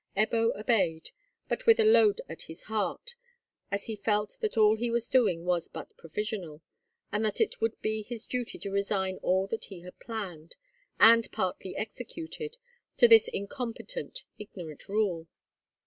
Ebbo obeyed, but with a load at his heart, as he felt that all he was doing was but provisional, and that it would be his duty to resign all that he had planned, and partly executed, to this incompetent, ignorant rule.